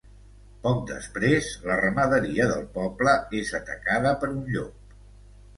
Poc després, la ramaderia del poble és atacada per un llop.